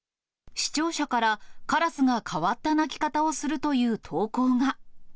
視聴者から、カラスが変わった鳴き方をするという投稿が。